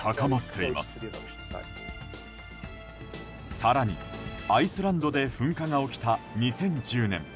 更に、アイスランドで噴火が起きた２０１０年。